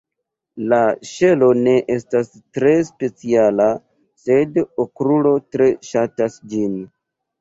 La ŝelo ne estas tre speciala, sed Okrulo tre ŝatas ĝin.